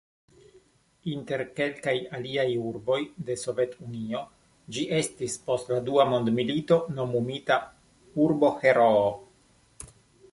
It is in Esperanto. Inter kelkaj aliaj urboj de Sovet-Unio ĝi estis post la Dua mondmilito nomumita "Urbo-Heroo".